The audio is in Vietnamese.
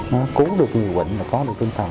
nó cứu được nhiều quỵnh mà có được tinh thần